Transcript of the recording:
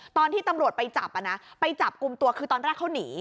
ตอนที่ตำรวจไปจับไปจับกลุ่มตัวคือตอนแรกเขาหนี